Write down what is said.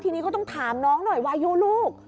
ทีนี้ก็ต้องถามน้องหน่อยวายุลูก